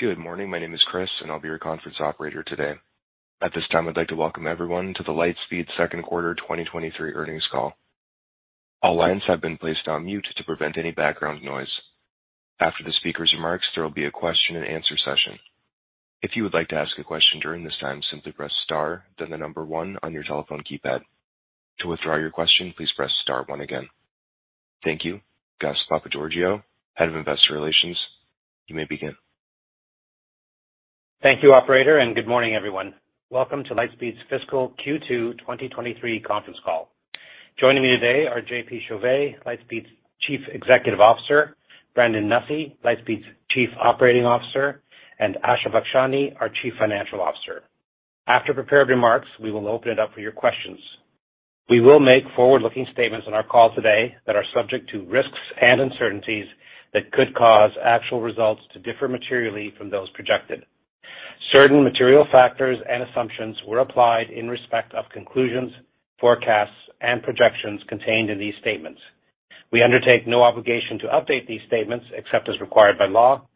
Good morning. My name is Chris, and I'll be your conference operator today. At this time, I'd like to welcome everyone to the Lightspeed Q2r 2023 earnings call. All lines have been placed on mute to prevent any background noise. After the speaker's remarks, there will be a question-and-answer session. If you would like to ask a question during this time, simply press Star, then the number 1 on your telephone keypad. To withdraw your question, please press Star 1 again. Thank you. Gus Papageorgiou, Head of Investor Relations, you may begin. Thank you, operator, and good morning, everyone. Welcome to Lightspeed's fiscal Q2 2023 conference call. Joining me today are JP Chauvet, Lightspeed's Chief Executive Officer, Brandon Nussey, Lightspeed's Chief Operating Officer, and Asha Bakshani, our Chief Financial Officer. After prepared remarks, we will open it up for your questions. We will make forward-looking statements on our call today that are subject to risks and uncertainties that could cause actual results to differ materially from those projected. Certain material factors and assumptions were applied in respect of conclusions, forecasts, and projections contained in these statements. We undertake no obligation to update these statements except as required by law.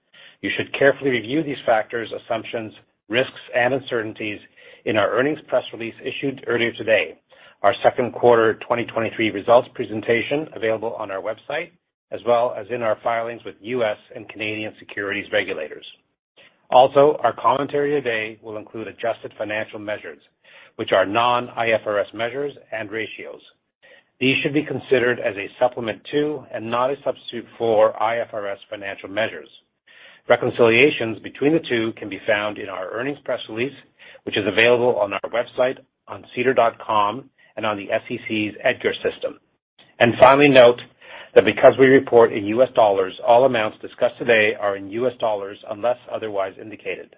You should carefully review these factors, assumptions, risks, and uncertainties in our earnings press release issued earlier today, our Q2 2023 results presentation available on our website, as well as in our filings with U.S. and Canadian securities regulators. Also, our commentary today will include adjusted financial measures, which are non-IFRS measures and ratios. These should be considered as a supplement to and not a substitute for IFRS financial measures. Reconciliations between the two can be found in our earnings press release, which is available on our website, on sedar.com, and on the SEC's EDGAR system. Finally, note that because we report in US dollars, all amounts discussed today are in US dollars unless otherwise indicated.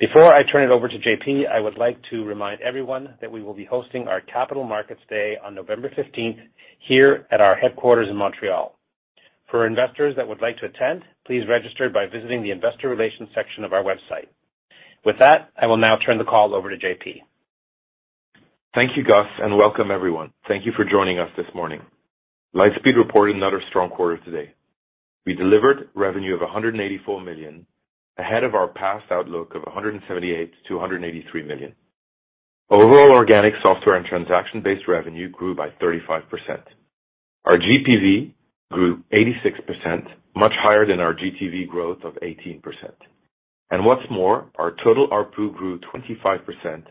Before I turn it over to J.P., I would like to remind everyone that we will be hosting our Capital Markets Day on November 15 here at our headquarters in Montreal. For investors that would like to attend, please register by visiting the investor relations section of our website. With that, I will now turn the call over to J.P. Thank you, Gus, and welcome, everyone. Thank you for joining us this morning. Lightspeed reported another strong quarter today. We delivered revenue of $184 million, ahead of our past outlook of $178 to 183 million. Overall organic software and transaction-based revenue grew by 35%. Our GPV grew 86%, much higher than our GTV growth of 18%. What's more, our total ARPU grew 25%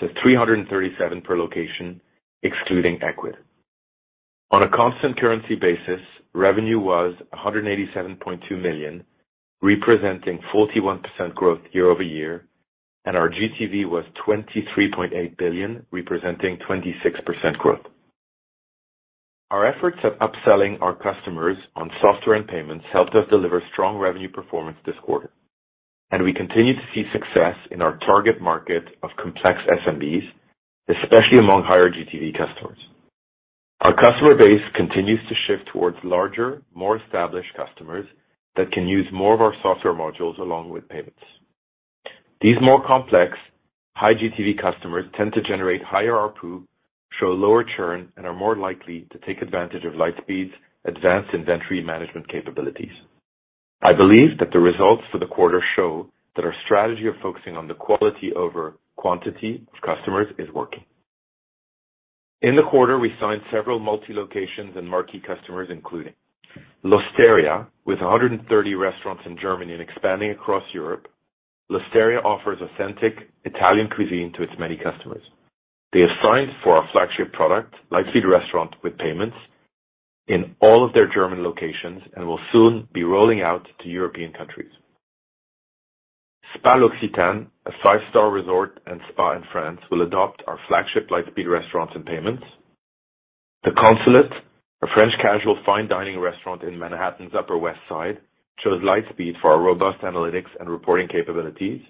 to 337 per location, excluding Ecwid. On a constant currency basis, revenue was $187.2 million, representing 41% growth year-over-year, and our GTV was $23.8 billion, representing 26% growth. Our efforts of upselling our customers on software and payments helped us deliver strong revenue performance this quarter, and we continue to see success in our target market of complex SMBs, especially among higher GTV customers. Our customer base continues to shift towards larger, more established customers that can use more of our software modules along with payments. These more complex high GTV customers tend to generate higher ARPU, show lower churn, and are more likely to take advantage of Lightspeed's advanced inventory management capabilities. I believe that the results for the quarter show that our strategy of focusing on the quality over quantity of customers is working. In the quarter, we signed several multi-locations and marquee customers, including L'Osteria, with 130 restaurants in Germany and expanding across Europe. L'Osteria offers authentic Italian cuisine to its many customers. They have signed for our flagship product, Lightspeed Restaurant, with payments in all of their German locations and will soon be rolling out to European countries. Spa L'Occitane, a five-star resort and spa in France, will adopt our flagship Lightspeed Restaurant & Payments. The Consulate, a French casual fine dining restaurant in Manhattan's Upper West Side, chose Lightspeed for our robust analytics and reporting capabilities.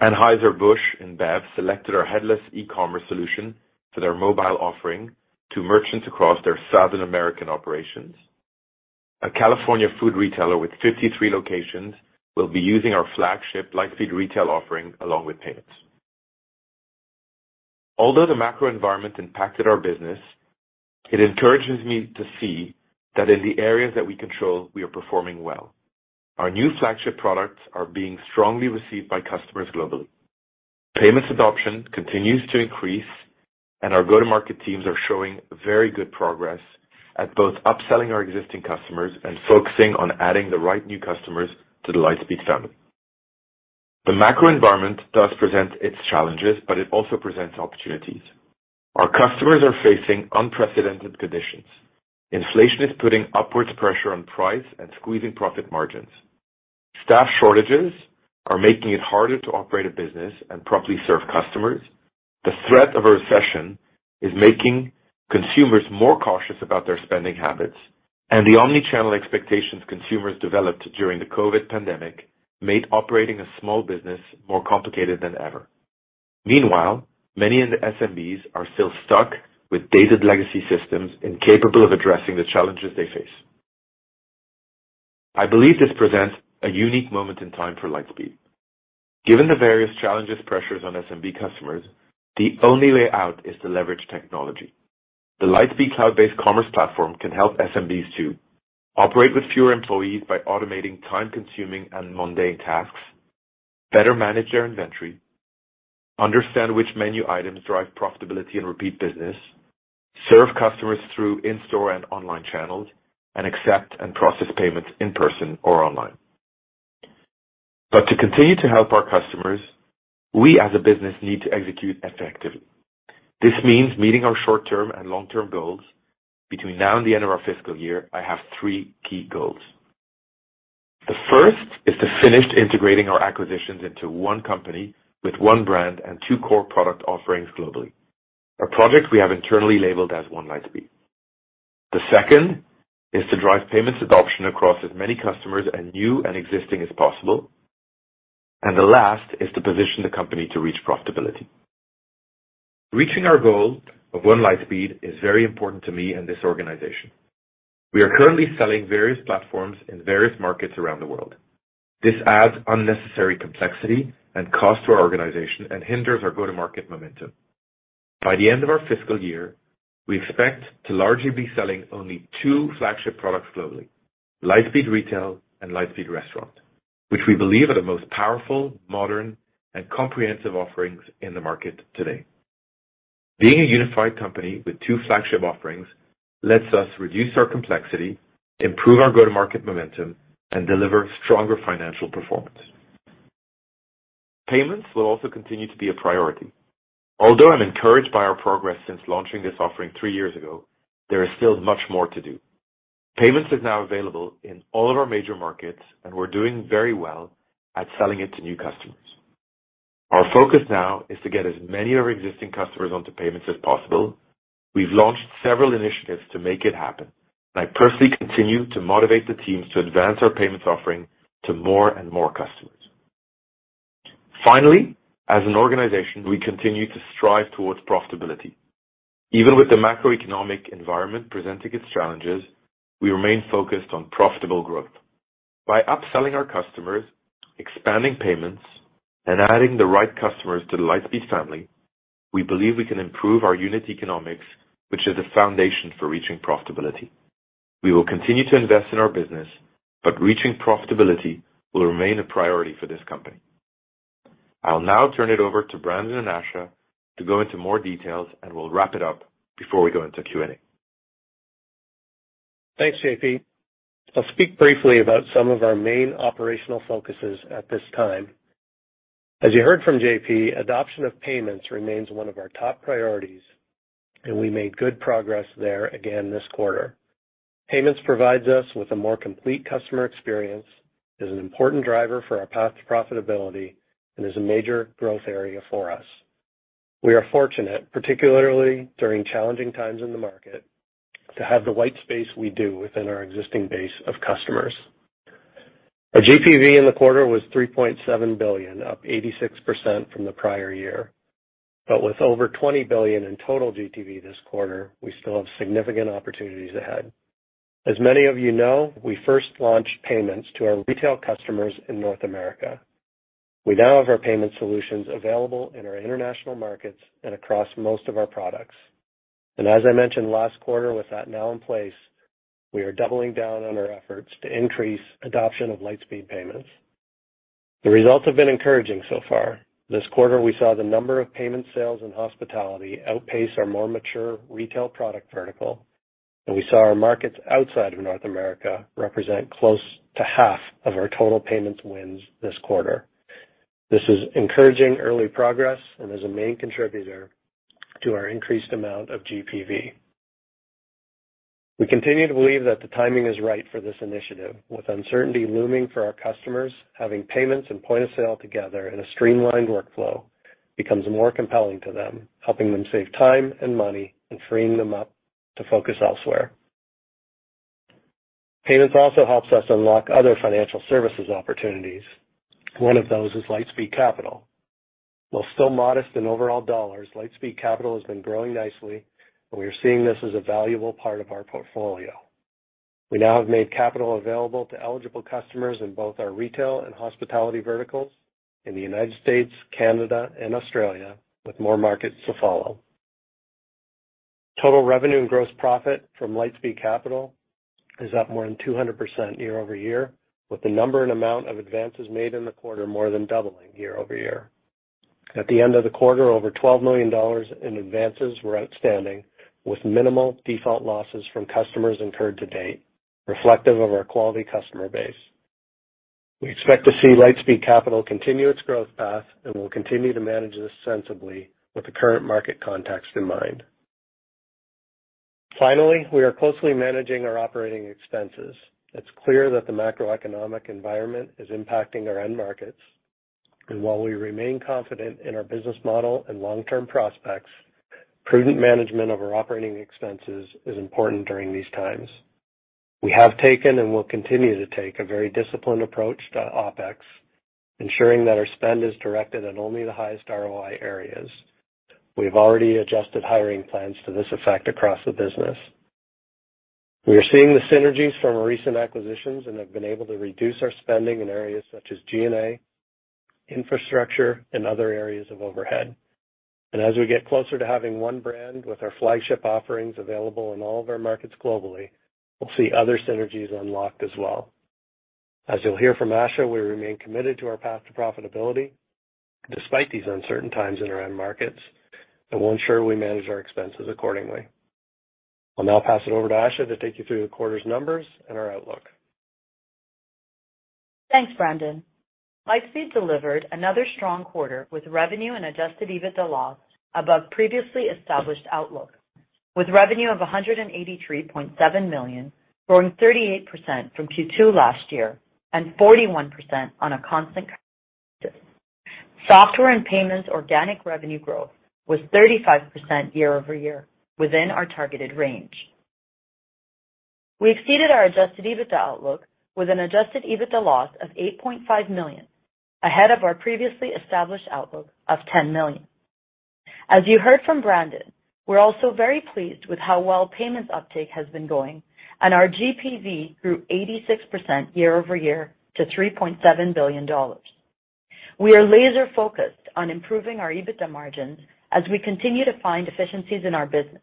Anheuser-Busch InBev selected our headless e-commerce solution for their mobile offering to merchants across their South American operations. A California food retailer with 53 locations will be using our flagship Lightspeed Retail offering along with payments. Although the macro environment impacted our business, it encourages me to see that in the areas that we control, we are performing well. Our new flagship products are being strongly received by customers globally. Payments adoption continues to increase, and our go-to-market teams are showing very good progress at both upselling our existing customers and focusing on adding the right new customers to the Lightspeed family. The macro environment does present its challenges, but it also presents opportunities. Our customers are facing unprecedented conditions. Inflation is putting upwards pressure on price and squeezing profit margins. Staff shortages are making it harder to operate a business and properly serve customers. The threat of a recession is making consumers more cautious about their spending habits, and the omnichannel expectations consumers developed during the COVID pandemic made operating a small business more complicated than ever. Meanwhile, many in the SMBs are still stuck with dated legacy systems incapable of addressing the challenges they face. I believe this presents a unique moment in time for Lightspeed. Given the various challenges, pressures on SMB customers, the only way out is to leverage technology. The Lightspeed cloud-based commerce platform can help SMBs to operate with fewer employees by automating time-consuming and mundane tasks, better manage their inventory, understand which menu items drive profitability and repeat business, serve customers through in-store and online channels, and accept and process payments in person or online. To continue to help our customers, we as a business need to execute effectively. This means meeting our short-term and long-term goals. Between now and the end of our fiscal year, I have three key goals. The first is to finish integrating our acquisitions into one company with one brand and two core product offerings globally. A project we have internally labeled as One Lightspeed. The second is to drive payments adoption across as many customers and new and existing as possible, and the last is to position the company to reach profitability. Reaching our goal of One Lightspeed is very important to me and this organization. We are currently selling various platforms in various markets around the world. This adds unnecessary complexity and cost to our organization and hinders our go-to-market momentum. By the end of our fiscal year, we expect to largely be selling only two flagship products globally, Lightspeed Retail and Lightspeed Restaurant, which we believe are the most powerful, modern, and comprehensive offerings in the market today. Being a unified company with two flagship offerings lets us reduce our complexity, improve our go-to-market momentum, and deliver stronger financial performance. Payments will also continue to be a priority. Although I'm encouraged by our progress since launching this offering three years ago, there is still much more to do. Payments is now available in all of our major markets, and we're doing very well at selling it to new customers. Our focus now is to get as many of our existing customers onto payments as possible. We've launched several initiatives to make it happen. I personally continue to motivate the teams to advance our payments offering to more and more customers. Finally, as an organization, we continue to strive towards profitability. Even with the macroeconomic environment presenting its challenges, we remain focused on profitable growth. By upselling our customers, expanding payments, and adding the right customers to the Lightspeed family, we believe we can improve our unit economics, which is a foundation for reaching profitability. We will continue to invest in our business, but reaching profitability will remain a priority for this company. I'll now turn it over to Brandon and Asha to go into more details, and we'll wrap it up before we go into Q&A. Thanks, JP. I'll speak briefly about some of our main operational focuses at this time. As you heard from JP, adoption of payments remains one of our top priorities, and we made good progress there again this quarter. Payments provides us with a more complete customer experience, is an important driver for our path to profitability, and is a major growth area for us. We are fortunate, particularly during challenging times in the market, to have the white space we do within our existing base of customers. Our GPV in the quarter was $3.7 billion, up 86% from the prior year. With over $20 billion in total GTV this quarter, we still have significant opportunities ahead. As many of you know, we first launched payments to our retail customers in North America. We now have our payment solutions available in our international markets and across most of our products. As I mentioned last quarter, with that now in place, we are doubling down on our efforts to increase adoption of Lightspeed Payments. The results have been encouraging so far. This quarter, we saw the number of payment sales and hospitality outpace our more mature retail product vertical, and we saw our markets outside of North America represent close to half of our total payments wins this quarter. This is encouraging early progress and is a main contributor to our increased amount of GPV. We continue to believe that the timing is right for this initiative. With uncertainty looming for our customers, having payments and point of sale together in a streamlined workflow becomes more compelling to them, helping them save time and money and freeing them up to focus elsewhere. Payments also helps us unlock other financial services opportunities. One of those is Lightspeed Capital. While still modest in overall dollars, Lightspeed Capital has been growing nicely, and we are seeing this as a valuable part of our portfolio. We now have made capital available to eligible customers in both our retail and hospitality verticals in the United States, Canada, and Australia, with more markets to follow. Total revenue and gross profit from Lightspeed Capital is up more than 200% year-over-year, with the number and amount of advances made in the quarter more than doubling year-over-year. At the end of the quarter, over $12 million in advances were outstanding, with minimal default losses from customers incurred to date, reflective of our quality customer base. We expect to see Lightspeed Capital continue its growth path, and we'll continue to manage this sensibly with the current market context in mind. Finally, we are closely managing our operating expenses. It's clear that the macroeconomic environment is impacting our end markets. While we remain confident in our business model and long-term prospects, prudent management of our operating expenses is important during these times. We have taken and will continue to take a very disciplined approach to OpEx, ensuring that our spend is directed at only the highest ROI areas. We've already adjusted hiring plans to this effect across the business. We are seeing the synergies from our recent acquisitions and have been able to reduce our spending in areas such as G&A, infrastructure, and other areas of overhead. As we get closer to having one brand with our flagship offerings available in all of our markets globally, we'll see other synergies unlocked as well. As you'll hear from Asha, we remain committed to our path to profitability despite these uncertain times in our end markets, and we'll ensure we manage our expenses accordingly. I'll now pass it over to Asha to take you through the quarter's numbers and our outlook. Thanks, Brandon. Lightspeed delivered another strong quarter with revenue and adjusted EBITDA loss above previously established outlook, with revenue of $183.7 million, growing 38% from Q2 last year and 41% on a constant currency. Software and payments organic revenue growth was 35% year-over-year within our targeted range. We exceeded our adjusted EBITDA outlook with an adjusted EBITDA loss of $8.5 million, ahead of our previously established outlook of $10 million. As you heard from Brandon, we're also very pleased with how well payments uptake has been going, and our GPV grew 86% year-over-year to $3.7 billion. We are laser-focused on improving our EBITDA margins as we continue to find efficiencies in our business,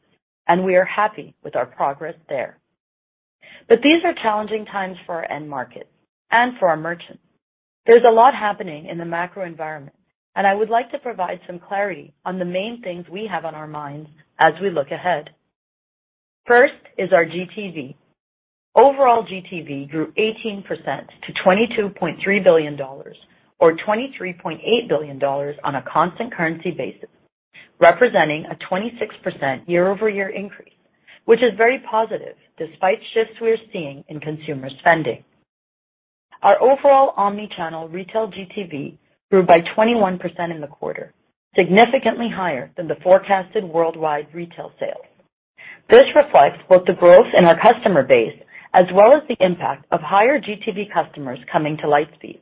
and we are happy with our progress there. These are challenging times for our end markets and for our merchants. There's a lot happening in the macro environment, and I would like to provide some clarity on the main things we have on our minds as we look ahead. First is our GTV. Overall GTV grew 18% to $22.3 billion or $23.8 billion on a constant currency basis, representing a 26% year-over-year increase, which is very positive despite shifts we are seeing in consumer spending. Our overall omni-channel retail GTV grew by 21% in the quarter, significantly higher than the forecasted worldwide retail sales. This reflects both the growth in our customer base as well as the impact of higher GTV customers coming to Lightspeed.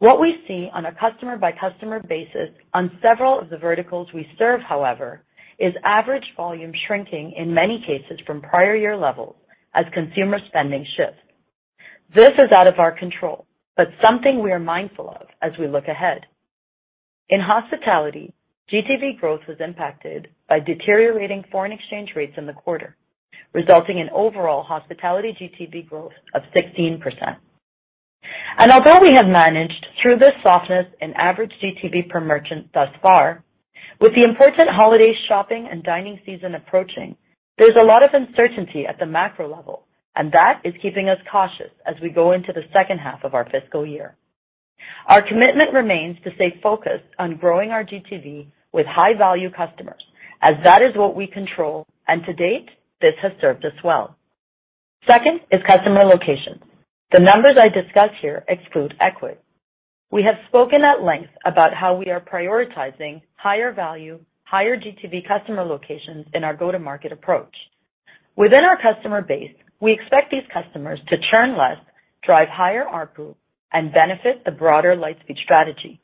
What we see on a customer-by-customer basis on several of the verticals we serve, however, is average volume shrinking in many cases from prior year levels as consumer spending shifts. This is out of our control, but something we are mindful of as we look ahead. In hospitality, GTV growth was impacted by deteriorating foreign exchange rates in the quarter, resulting in overall hospitality GTV growth of 16%. Although we have managed through this softness in average GTV per merchant thus far, with the important holiday shopping and dining season approaching, there's a lot of uncertainty at the macro level, and that is keeping us cautious as we go into the second half of our fiscal year. Our commitment remains to stay focused on growing our GTV with high-value customers, as that is what we control, and to date, this has served us well. Second is customer locations. The numbers I discuss here exclude Ecwid. We have spoken at length about how we are prioritizing higher value, higher GTV customer locations in our go-to-market approach. Within our customer base, we expect these customers to churn less, drive higher ARPU, and benefit the broader Lightspeed strategy.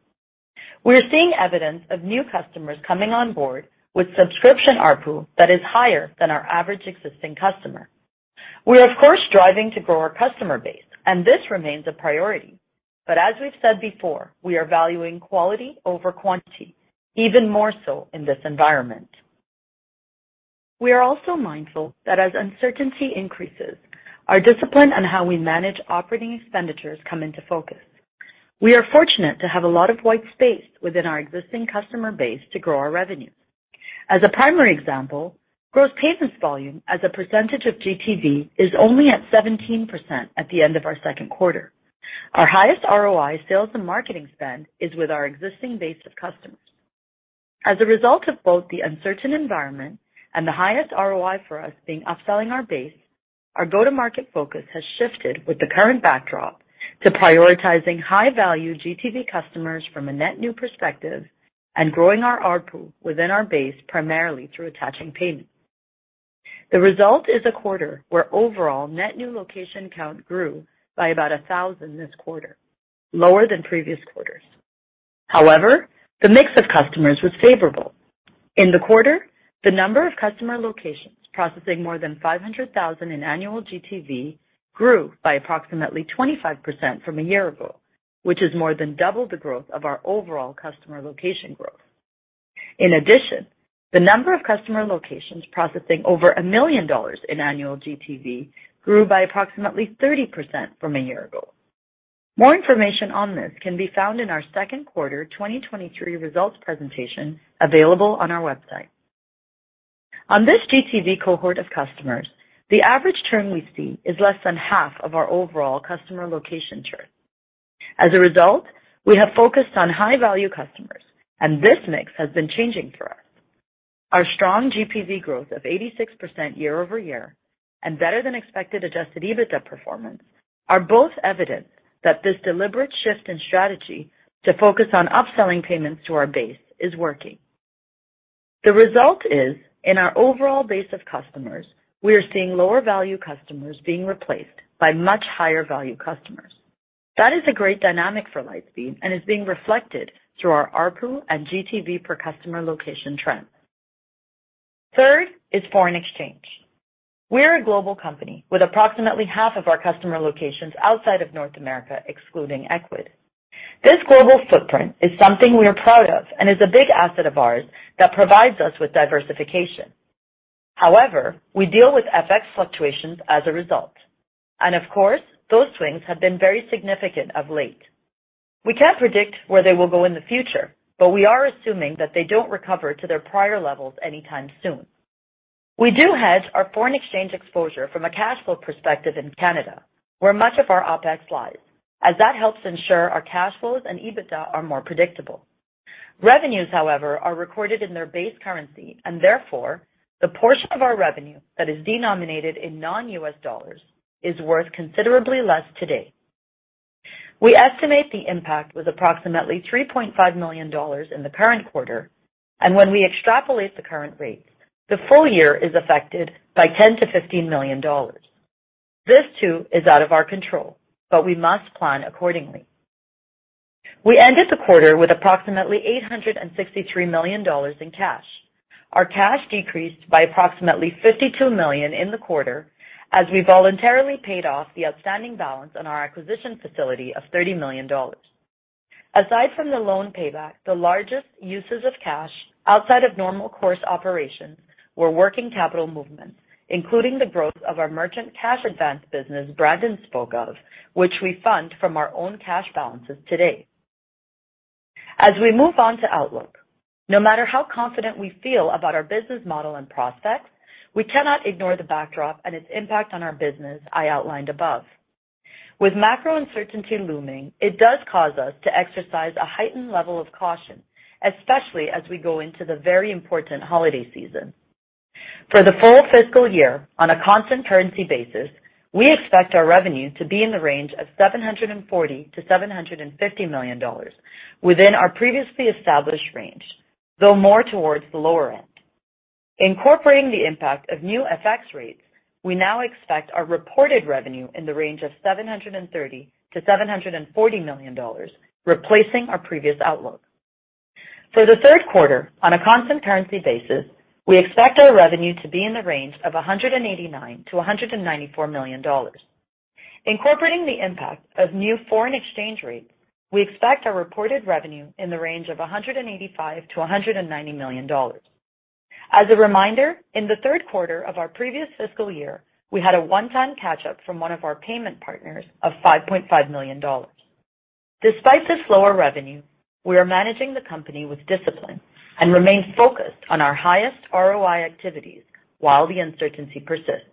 We are seeing evidence of new customers coming on board with subscription ARPU that is higher than our average existing customer. We are of course, striving to grow our customer base, and this remains a priority. As we've said before, we are valuing quality over quantity, even more so in this environment. We are also mindful that as uncertainty increases, our discipline on how we manage operating expenditures come into focus. We are fortunate to have a lot of white space within our existing customer base to grow our revenue. As a primary example, gross payments volume as a percentage of GTV is only at 17% at the end of our Q2. Our highest ROI sales and marketing spend is with our existing base of customers. As a result of both the uncertain environment and the highest ROI for us being upselling our base, our go-to-market focus has shifted with the current backdrop to prioritizing high-value GTV customers from a net new perspective and growing our ARPU within our base, primarily through attaching payments. The result is a quarter where overall net new location count grew by about 1,000 this quarter, lower than previous quarters. However, the mix of customers was favorable. In the quarter, the number of customer locations processing more than $500,000 in annual GTV grew by approximately 25% from a year ago, which is more than double the growth of our overall customer location growth. In addition, the number of customer locations processing over $1 million in annual GTV grew by approximately 30% from a year ago. More information on this can be found in our Q2 2023 results presentation available on our website. On this GTV cohort of customers, the average churn we see is less than half of our overall customer location churn. As a result, we have focused on high-value customers, and this mix has been changing for us. Our strong GPV growth of 86% year-over-year and better than expected adjusted EBITDA performance are both evident that this deliberate shift in strategy to focus on upselling payments to our base is working. The result is, in our overall base of customers, we are seeing lower value customers being replaced by much higher value customers. That is a great dynamic for Lightspeed and is being reflected through our ARPU and GTV per customer location trend. Third is foreign exchange. We are a global company with approximately half of our customer locations outside of North America, excluding Ecwid. This global footprint is something we are proud of and is a big asset of ours that provides us with diversification. However, we deal with FX fluctuations as a result, and of course, those swings have been very significant of late. We can't predict where they will go in the future, but we are assuming that they don't recover to their prior levels anytime soon. We do hedge our foreign exchange exposure from a cash flow perspective in Canada, where much of our OpEx lies, as that helps ensure our cash flows and EBITDA are more predictable. Revenues, however, are recorded in their base currency and therefore, the portion of our revenue that is denominated in non-US dollars is worth considerably less today. We estimate the impact was approximately $3.5 million in the current quarter, and when we extrapolate the current rates, the full year is affected by $10 to 15 million. This too is out of our control, but we must plan accordingly. We ended the quarter with approximately $863 million in cash. Our cash decreased by approximately $52 million in the quarter as we voluntarily paid off the outstanding balance on our acquisition facility of $30 million. Aside from the loan payback, the largest uses of cash outside of normal course operations were working capital movements, including the growth of our merchant cash advance business Brandon spoke of, which we fund from our own cash balances today. As we move on to outlook, no matter how confident we feel about our business model and prospects, we cannot ignore the backdrop and its impact on our business I outlined above. With macro uncertainty looming, it does cause us to exercise a heightened level of caution, especially as we go into the very important holiday season. For the full fiscal year, on a constant currency basis, we expect our revenue to be in the range of $740 to $750 million within our previously established range, though more towards the lower end. Incorporating the impact of new FX rates, we now expect our reported revenue in the range of $730 to 740 million, replacing our previous outlook. For the Q3 on a constant currency basis, we expect our revenue to be in the range of $189 to 194 million. Incorporating the impact of new foreign exchange rates, we expect our reported revenue in the range of $185 to 190 million. As a reminder, in the Q3 of our previous fiscal year, we had a one-time catch up from one of our payment partners of $5.5 million. Despite this lower revenue, we are managing the company with discipline and remain focused on our highest ROI activities while the uncertainty persists.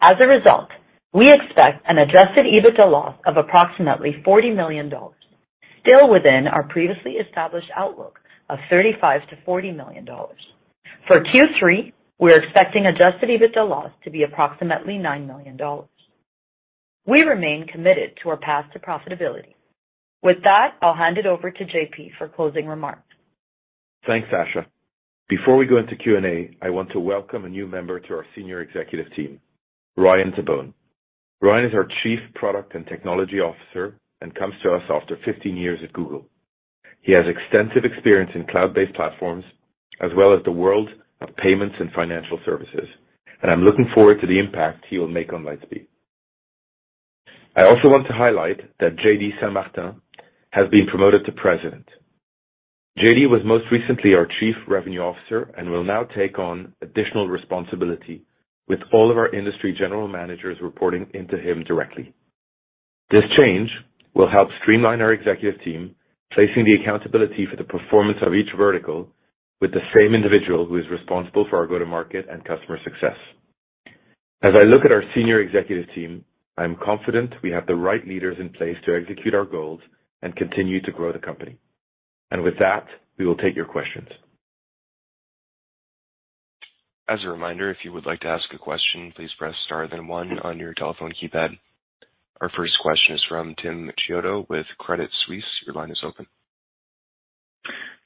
As a result, we expect an adjusted EBITDA loss of approximately $40 million, still within our previously established outlook of $35 to 40 million. For Q3, we're expecting adjusted EBITDA loss to be approximately $9 million. We remain committed to our path to profitability. With that, I'll hand it over to JP for closing remarks. Thanks, Asha. Before we go into Q&A, I want to welcome a new member to our senior executive team, Ryan Tabone. Ryan is our Chief Product and Technology Officer and comes to us after 15 years at Google. He has extensive experience in cloud-based platforms as well as the world of payments and financial services, and I'm looking forward to the impact he will make on Lightspeed. I also want to highlight that JD Saint-Martin has been promoted to President. JD was most recently our Chief Revenue Officer and will now take on additional responsibility with all of our industry general managers reporting into him directly. This change will help streamline our executive team, placing the accountability for the performance of each vertical with the same individual who is responsible for our go-to-market and customer success. As I look at our senior executive team, I'm confident we have the right leaders in place to execute our goals and continue to grow the company. With that, we will take your questions. As a reminder, if you would like to ask a question, please press star then one on your telephone keypad. Our first question is from Timothy Chiodo with Credit Suisse. Your line is open.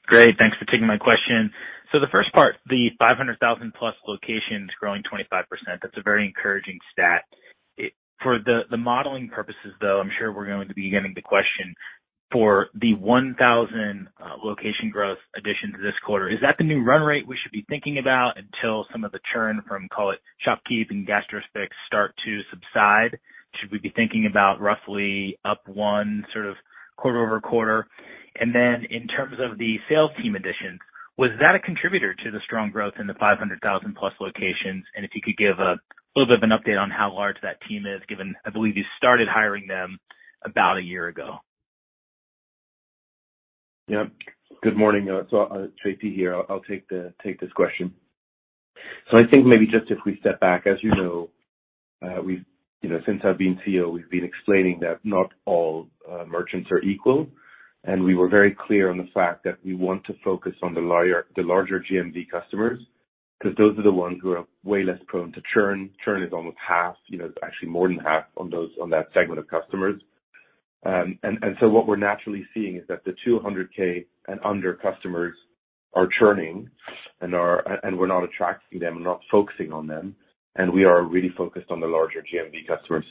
Great, thanks for taking my question. So, the first part, the 500,000+ locations growing 25%, that's a very encouraging stat. For the modeling purposes, though, I'm sure we're going to be getting the question for the 1,000-location growth addition to this quarter. Is that the new run rate we should be thinking about until some of the churn from, call it ShopKeep and Gastrofix start to subside? Should we be thinking about roughly up 1 sort of quarter-over-quarter? Then in terms of the sales team additions, was that a contributor to the strong growth in the 500,000+ locations? If you could give a little bit of an update on how large that team is given, I believe you started hiring them about a year ago. Yeah. Good morning. It's JP here. I'll take this question. I think maybe just if we step back, as you know, we've, you know, since I've been CEO, we've been explaining that not all merchants are equal. We were very clear on the fact that we want to focus on the larger GMV customers, because those are the ones who are way less prone to churn. Churn is almost half, you know, actually more than half on those, on that segment of customers. And so, what we're naturally seeing is that the $200K and under customers Our churning and we're not attracting them, we're not focusing on them, and we are really focused on the larger GMV customers.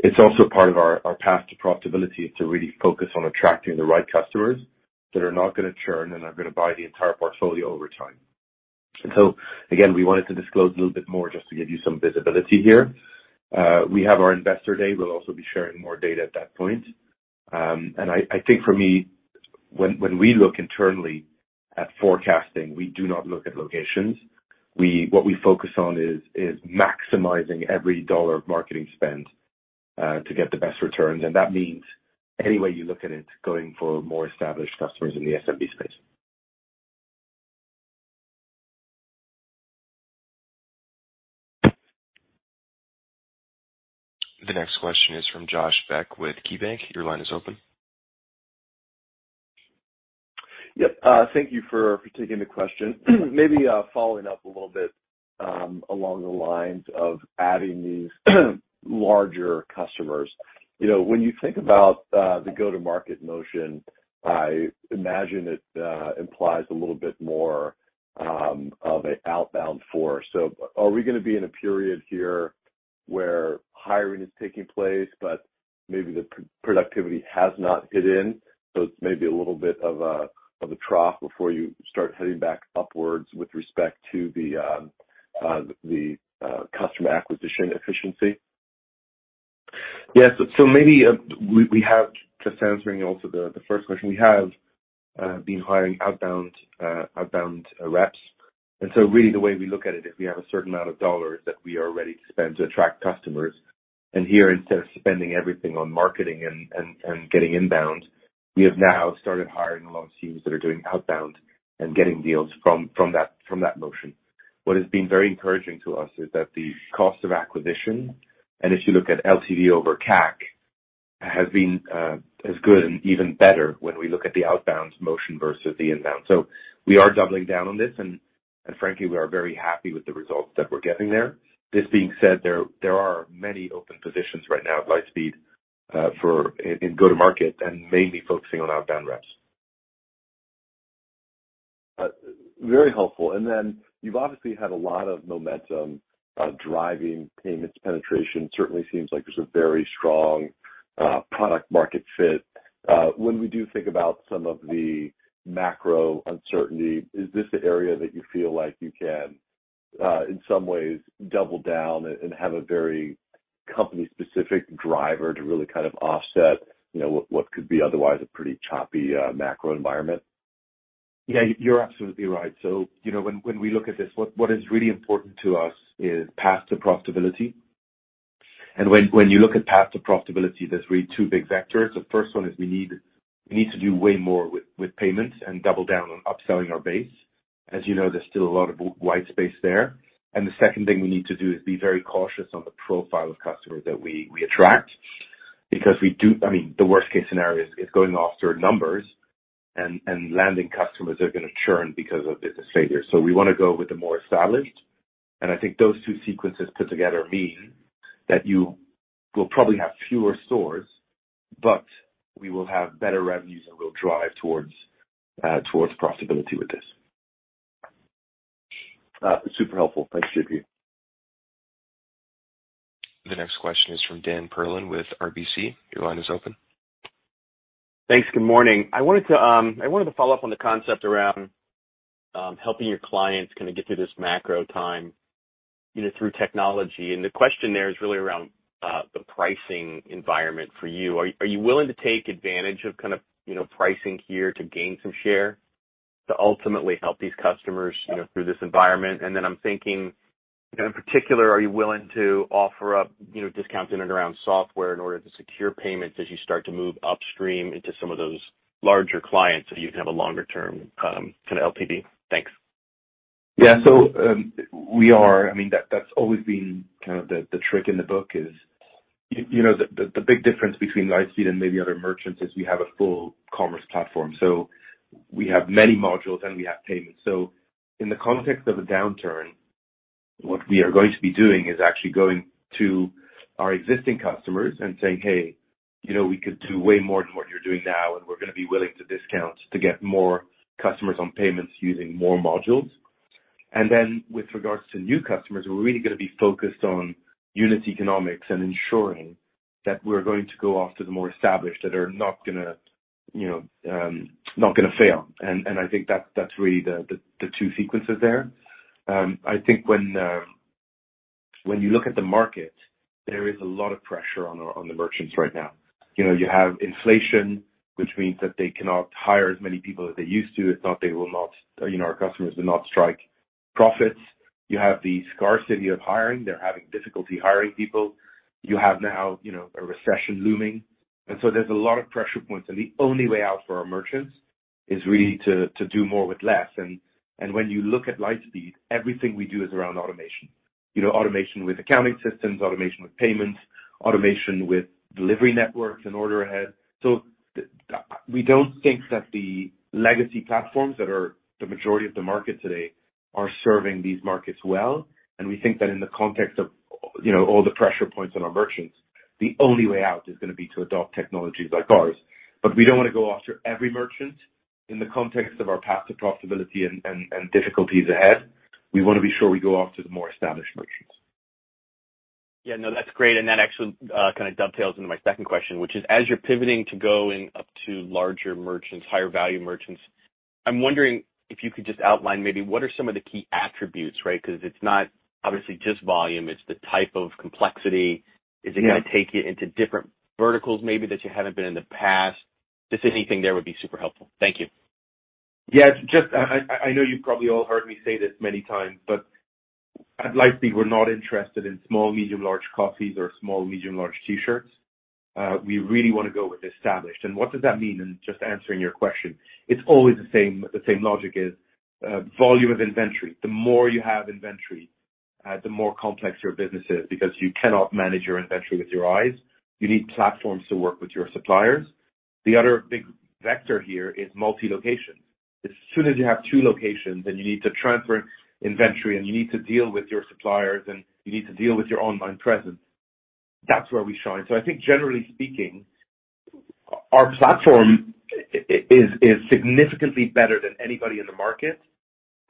It's also part of our path to profitability to really focus on attracting the right customers that are not gonna churn and are gonna buy the entire portfolio over time. We wanted to disclose a little bit more just to give you some visibility here. We have our investor day. We'll also be sharing more data at that point. I think for me, when we look internally at forecasting, we do not look at locations. What we focus on is maximizing every dollar of marketing spend to get the best returns. That means any way you look at it, going for more established customers in the SMB space. The next question is from Josh Beck with KeyBank. Your line is open. Yep. Thank you for taking the question. Maybe following up a little bit along the lines of adding these larger customers. You know, when you think about the go-to-market motion, I imagine it implies a little bit more of a outbound force. Are we gonna be in a period here where hiring is taking place but maybe the productivity has not hit in, so it's maybe a little bit of a trough before you start heading back upwards with respect to the customer acquisition efficiency? Yes. Maybe we have. Just answering also, the first question. We have been hiring outbound reps. Really the way we look at it, if we have a certain amount of dollars that we are ready to spend to attract customers, here, instead of spending everything on marketing and getting inbound, we have now started hiring a lot of teams that are doing outbound and getting deals from that motion. What has been very encouraging to us is that the cost of acquisition, and if you look at LTV over CAC, has been as good and even better when we look at the outbounds motion versus the inbound. We are doubling down on this and frankly, we are very happy with the results that we're getting there. This being said, there are many open positions right now at Lightspeed for in go-to-market and mainly focusing on outbound reps. Very helpful. Then you've obviously had a lot of momentum driving payments penetration. Certainly, seems like there's a very strong product market fit. When we do think about some of the macro uncertainty, is this the area that you feel like you can in some ways double down and have a very company specific driver to really kind of offset, you know, what could be otherwise a pretty choppy macro environment? Yeah, you're absolutely right. You know, when we look at this, what is really important to us is path to profitability. When you look at path to profitability, there's really two big vectors. The first one is we need to do way more with payments and double down on upselling our base. As you know, there's still a lot of white space there. The second thing we need to do is be very cautious on the profile of customers that we attract because we do, I mean, the worst-case scenario is going after numbers and landing customers that are gonna churn because of business failure. We wanna go with the more established. I think those two sequences put together mean that you will probably have fewer stores, but we will have better revenues and we'll drive towards profitability with this. Super helpful. Thanks, JP. The next question is from Daniel Perlin with RBC. Your line is open. Thanks. Good morning. I wanted to follow up on the concept around helping your clients kind a get through this macro time, you know, through technology. The question there is really around the pricing environment for you. Are you willing to take advantage of kind of you know, pricing here to gain some share to ultimately help these customers, you know, through this environment? Then I'm thinking, you know, in particular, are you willing to offer up, you know, discounts in and around software in order to secure payments as you start to move upstream into some of those larger clients so you can have a longer term, kind a LTV? Thanks. Yeah. I mean, that's always been kind of the trick in the book is, you know, the big difference between Lightspeed and maybe other merchants is we have a full commerce platform, so we have many modules and we have payments. In the context of a downturn, what we are going to be doing is actually going to our existing customers and saying, "Hey, you know, we could do way more than what you're doing now, and we're gonna be willing to discount to get more customers on payments using more modules." Then with regards to new customers, we're really gonna be focused on unit economics and ensuring that we're going to go after the more established that are not gonna fail. I think that's really the two sequences there. I think when you look at the market, there is a lot of pressure on the merchants right now. You know, you have inflation, which means that they cannot hire as many people as they used to. Our customers do not sacrifice profits. You have the scarcity of hiring. They are having difficulty hiring people. You know, you have now a recession looming. There is a lot of pressure points, and the only way out for our merchants is really to do more with less. When you look at Lightspeed, everything we do is around automation. You know, automation with accounting systems, automation with payments, automation with delivery networks and order ahead. We do not think that the legacy platforms that are the majority of the market today are serving these merchants well. We think that in the context of, you know, all the pressure points on our merchants, the only way out is gonna be to adopt technologies like ours. We don't wanna go after every merchant in the context of our path to profitability and difficulties ahead. We wanna be sure we go after the more established merchants. Yeah, no, that's great. That actually kind of dovetails into my second question, which is, as you're pivoting to going up to larger merchants, higher value merchants, I'm wondering if you could just outline maybe what are some of the key attributes, right? Cause it's not obviously just volume, it's the type of complexity. Yeah. Is it gonna take you into different verticals maybe that you haven't been in the past? Just anything there would be super helpful. Thank you. Yeah. Just, I know you've probably all heard me say this many times, but at Lightspeed we're not interested in small, medium, large coffees or small, medium, large T-shirts. We really wanna go with established. What does that mean? Just answering your question, it's always the same, the same logic is volume of inventory. The more you have inventory, the more complex your business is because you cannot manage your inventory with your eyes. You need platforms to work with your suppliers. The other big vector here is multi-location. As soon as you have two locations, then you need to transfer inventory, and you need to deal with your suppliers, and you need to deal with your online presence. That's where we shine. I think generally speaking, our platform is significantly better than anybody in the market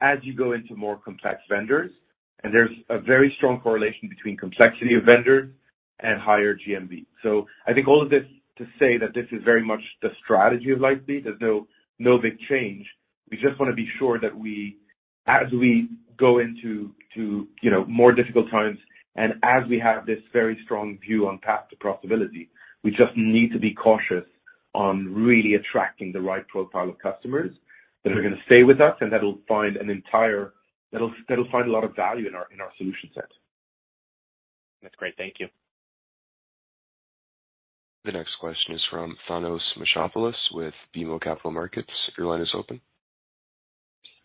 as you go into more complex vendors, and there's a very strong correlation between complexity of vendor and higher GMV. I think all of this to say that this is very much the strategy of Lightspeed. There's no big change. We just wanna be sure that we as we go into you know, more difficult times and as we have this very strong view on path to profitability, we just need to be cautious on really attracting the right profile of customers that are gonna stay with us and that'll find a lot of value in our solution set. That's great. Thank you. The next question is from Thanos Moschopoulos with BMO Capital Markets. Your line is open.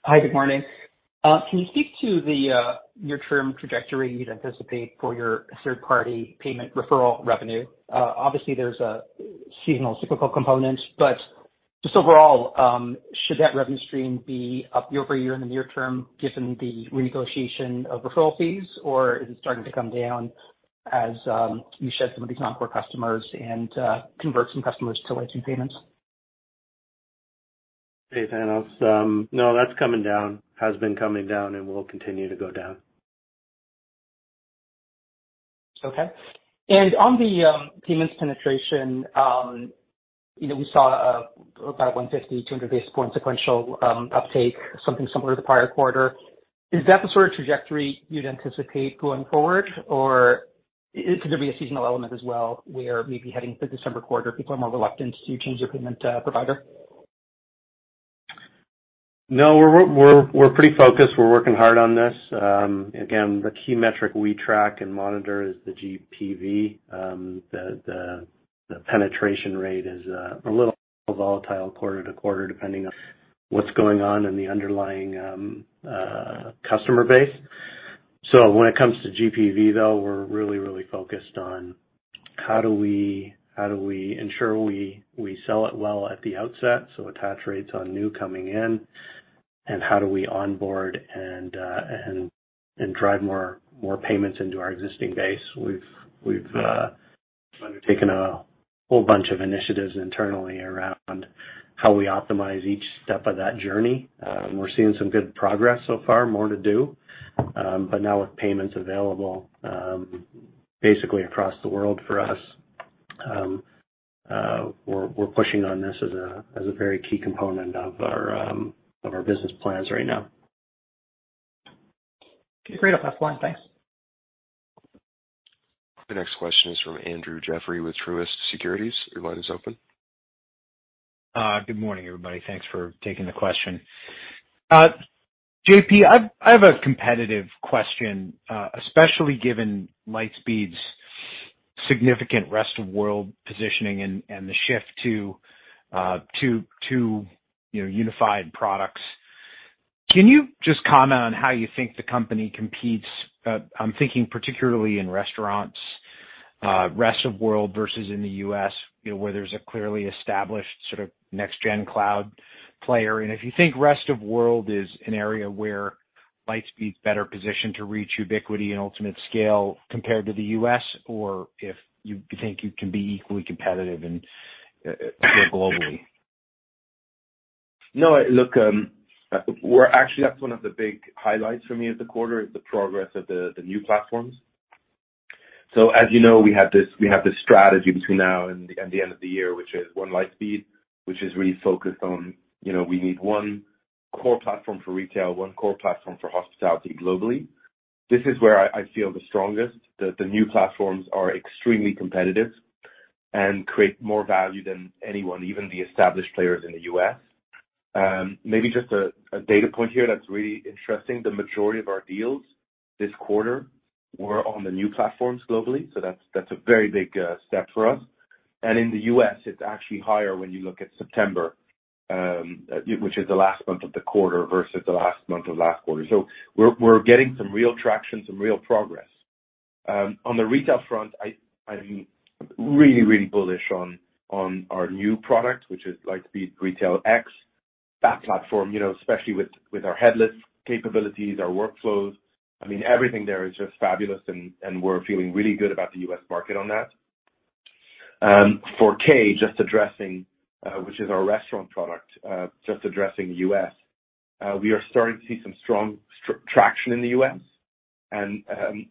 Hi, good morning. Can you speak to the near-term trajectory you'd anticipate for your third-party payment referral revenue? Obviously, there's a seasonal cyclical component, but just overall, should that revenue stream be up year-over-year in the near-term given the renegotiation of referral fees? Or is it starting to come down as you shed some of these non-core customers and convert some customers to Lightspeed Payments? Hey, Thanos. No, that's coming down. Has been coming down and will continue to go down. Okay. On the payments penetration, you know, we saw about 150 to 200 basis points sequential uptake, something similar to the prior quarter. Is that the sort of trajectory you'd anticipate going forward, or could there be a seasonal element as well, where maybe heading for the December quarter, people are more reluctant to change their payment provider? No, we're pretty focused. We're working hard on this. Again, the key metric we track and monitor is the GPV. The penetration rate is a little volatile quarter to quarter, depending on what's going on in the underlying customer base. When it comes to GPV, though, we're really focused on how do we ensure we sell it well at the outset, so attach rates on new coming in and how do we onboard and drive more payments into our existing base. We've undertaken a whole bunch of initiatives internally around how we optimize each step of that journey. We're seeing some good progress so far, more to do. Now with payments available, basically across the world for us, we're pushing on this as a very key component of our business plans right now. Great. That's all. Thanks. The next question is from Andrew Jeffrey with Truist Securities. Your line is open. Good morning, everybody. Thanks for taking the question. JP, I have a competitive question, especially given Lightspeed's significant rest of world positioning and the shift to, you know, unified products. Can you just comment on how you think the company competes? I'm thinking particularly in restaurants, rest of world versus in the US, you know, where there's a clearly established sort of next-gen cloud player. If you think rest of world is an area where Lightspeed's better positioned to reach ubiquity and ultimate scale compared to the US or if you think you can be equally competitive and globally. No, look, we're actually. That's one of the big highlights for me of the quarter is the progress of the new platforms. As you know, we have this strategy between now and the end of the year, which is One Lightspeed, which is really focused on, you know, we need one core platform for retail, one core platform for hospitality globally. This is where I feel the strongest. The new platforms are extremely competitive and create more value than anyone, even the established players in the U.S. Maybe just a data point here that's really interesting. The majority of our deals this quarter were on the new platforms globally, so that's a very big step for us. In the US, it's actually higher when you look at September, which is the last month of the quarter versus the last month of last quarter. We're getting some real traction, some real progress. On the retail front, I'm really bullish on our new product, which is Lightspeed Retail X. That platform, you know, especially with our headless capabilities, our workflows, I mean, everything there is just fabulous and we're feeling really good about the US market on that. For K, just addressing, which is our restaurant product, just addressing US, we are starting to see some strong traction in the US and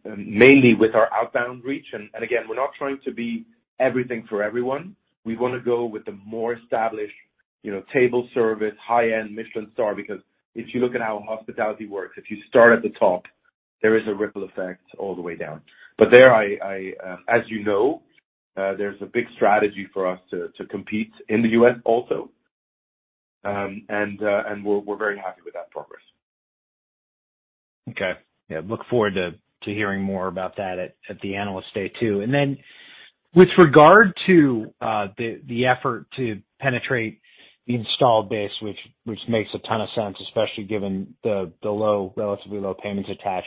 mainly with our outbound reach. Again, we're not trying to be everything for everyone. We wanna go with the more established, you know, table service, high-end Michelin star, because if you look at how hospitality works, if you start at the top, there is a ripple effect all the way down. There I, as you know, there's a big strategy for us to compete in the U.S. also. We're very happy with that progress. Okay. Yeah, look forward to hearing more about that at the Analyst Day too. With regard to the effort to penetrate the installed base, which makes a ton of sense, especially given the relatively low payments attached,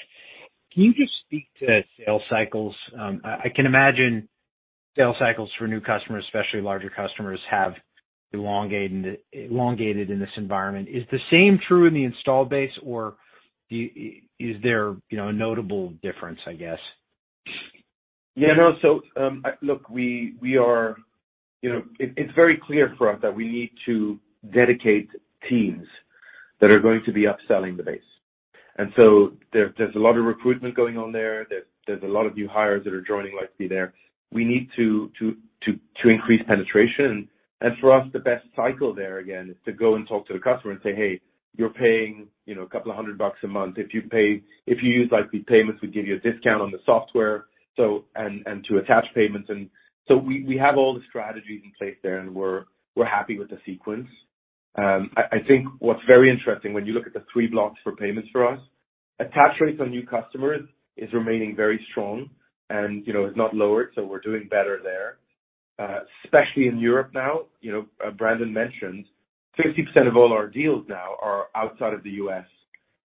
can you just speak to sales cycles? I can imagine sales cycles for new customers, especially larger customers, have elongated in this environment. Is the same true in the installed base or is there, you know, a notable difference, I guess? Look, we are. You know, it's very clear for us that we need to dedicate teams that are going to be upselling the base. There's a lot of recruitment going on there. There's a lot of new hires that are joining Lightspeed there. We need to increase penetration. For us, the best cycle there, again, is to go and talk to the customer and say, "Hey, you're paying, you know, a couple of hundred bucks a month. If you use Lightspeed Payments, we give you a discount on the software." And to attach payments. We have all the strategies in place there, and we're happy with the sequence. I think what's very interesting when you look at the three blocks for payments for us, attach rates on new customers is remaining very strong and, you know, it's not lowered, so we're doing better there, especially in Europe now. You know, Brandon mentioned 60% of all our deals now are outside of the U.S.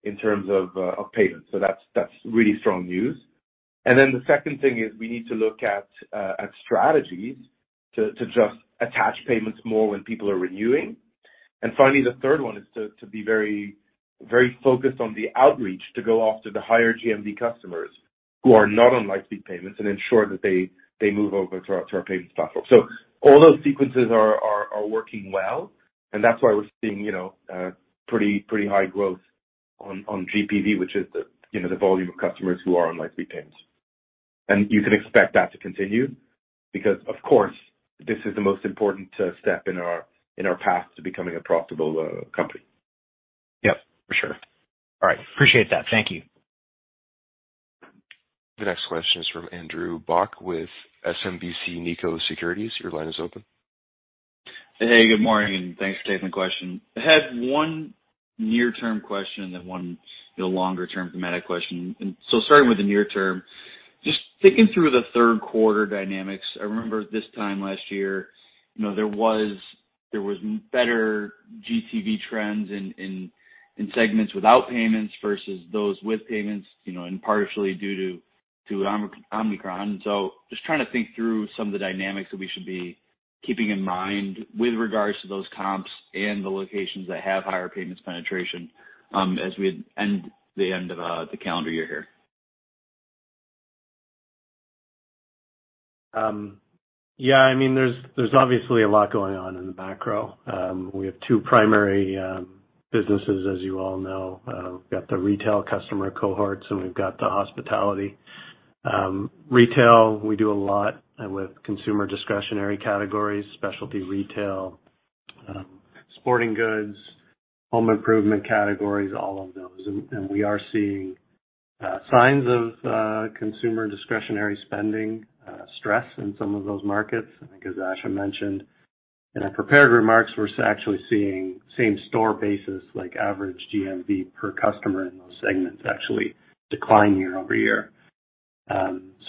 in terms of payments. So that's really strong news. The second thing is we need to look at strategies to just attach payments more when people are renewing. Finally, the third one is to be very focused on the outreach to go after the higher GMV customers who are not on Lightspeed Payments and ensure that they move over to our payments platform. All those sequences are working well, and that's why we're seeing, you know, pretty high growth on GPV, which is, you know, the volume of customers who are on Lightspeed Payments. You can expect that to continue because, of course, this is the most important step in our path to becoming a profitable company. Yep, for sure. All right. Appreciate that. Thank you. The next question is from Andrew Bauch with SMBC Nikko Securities. Your line is open. Hey, good morning. Thanks for taking the question. I had one near-term question then one, you know, longer term thematic question. Starting with the near term, just thinking through the Q3 dynamics, I remember this time last year, you know, there was better GTV trends in segments without payments versus those with payments, you know, and partially due to Omicron. Just trying to think through some of the dynamics that we should be keeping in mind with regards to those comps and the locations that have higher payments penetration, as we end of the calendar year here. Yeah, I mean, there's obviously a lot going on in the macro. We have two primary businesses, as you all know. We've got the retail customer cohorts, and we've got the hospitality. Retail, we do a lot with consumer discretionary categories, specialty retail, sporting goods, home improvement categories, all of those. We are seeing signs of consumer discretionary spending stress in some of those markets. I think as Asha mentioned in her prepared remarks, we're actually seeing same store basis like average GMV per customer in those segments actually decline year-over-year.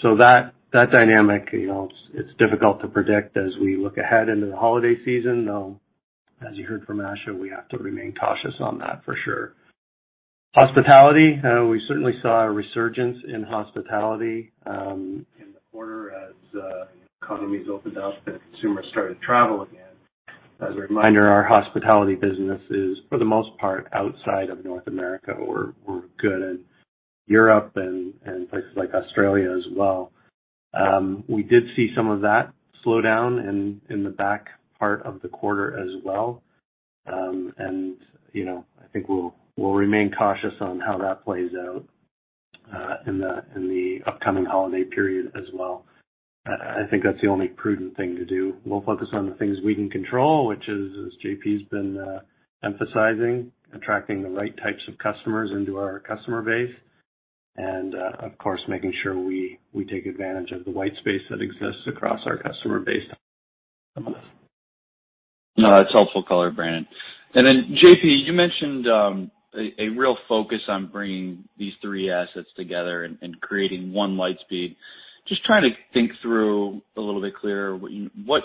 So that dynamic, you know, it's difficult to predict as we look ahead into the holiday season, though, as you heard from Asha, we have to remain cautious on that for sure. Hospitality, we certainly saw a resurgence in hospitality in the quarter as economies opened up and consumers started to travel again. As a reminder, our hospitality business is for the most part outside of North America. We're good in Europe and places like Australia as well. We did see some of that slowdown in the back part of the quarter as well. You know, I think we'll remain cautious on how that plays out in the upcoming holiday period as well. I think that's the only prudent thing to do. We'll focus on the things we can control, which is, as JP's been emphasizing, attracting the right types of customers into our customer base and, of course, making sure we take advantage of the white space that exists across our customer base. No, that's helpful color, Brandon. Then JP, you mentioned a real focus on bringing these three assets together and creating one Lightspeed. Just trying to think through a little bit clearer what